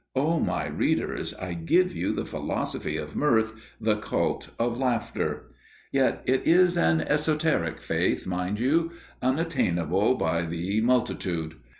O my readers, I give you the Philosophy of Mirth, the Cult of Laughter! Yet it is an esoteric faith, mind you, unattainable by the multitude.